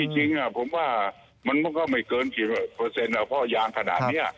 จริงผมว่ามันก็ไม่เกินกี่เปอร์เซ็นต์เพราะยางขนาดนี้